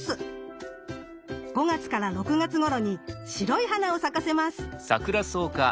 ５月６月頃に白い花を咲かせます。